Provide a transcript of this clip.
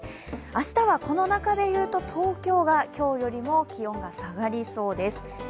明日はこの中で言うと、東京が今日よりも気温が下がりそうです。